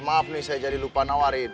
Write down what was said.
maaf nih saya jadi lupa nawarin